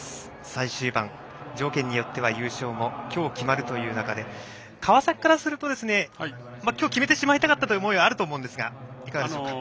最終盤、条件によっては優勝も今日、決まるという中で横浜からすると今日決めてしまいたかったという思いはあると思うんですがいかがでしょうか？